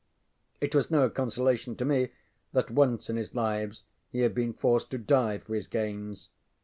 It was no consolation to me that once in his lives he had been forced to die for his gains.